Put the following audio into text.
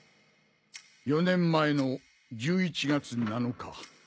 ４年前の１１月７日。